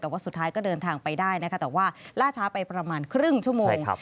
แต่ว่าสุดท้ายก็เดินทางไปได้นะคะแต่ว่าล่าช้าไปประมาณครึ่งชั่วโมง